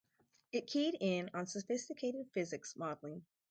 It keyed in on sophisticated physics modeling.